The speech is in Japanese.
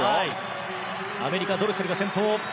アメリカ、ドレセルが先頭。